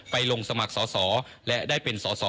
ไปลงสมัครสสอและได้เป็นสส